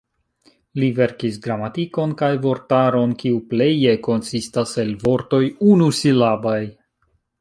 Li verkis gramatikon kaj vortaron, kiu pleje konsistas el vortoj unusilabaj.